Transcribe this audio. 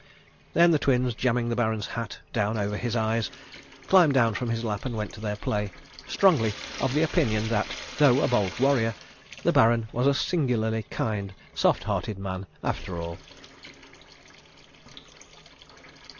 Then the Twins, jamming the Baron's hat down over his eyes, climbed down from his lap and went to their play, strongly of the opinion that, though a bold warrior, the Baron was a singularly kind, soft hearted man after all.